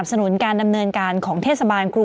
มีสารตั้งต้นเนี่ยคือยาเคเนี่ยใช่ไหมคะ